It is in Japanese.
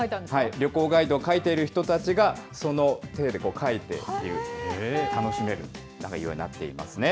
旅行ガイドを書いている人たちが、その体で書いている、楽しめる内容になっているんですね。